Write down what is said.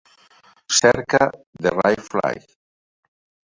Cerca The Right Fight